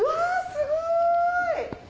すごい！